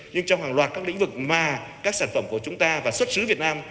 nhưng trong hàng loạt các lĩnh vực mà các sản phẩm của chúng ta và xuất xứ việt nam